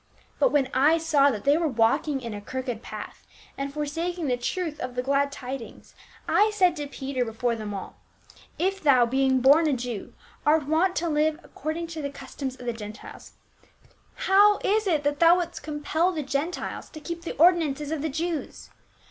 "But when I saw that they were walking in a crooked path, and forsaking the truth of the glad tidings, I said to Peter before them all : If thou being born a Jew, art wont to live according to the customs of the Gentiles, how is it that thou wouldst compel * Galatians ii., 4. t Galatians ii., 11 17. 312 PAUL. the Gentiles to keep the ordinances of the Jews